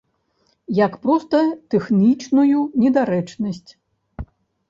Як проста тэхнічную недарэчнасць?